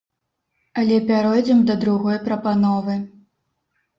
Але пяройдзем да другой прапановы.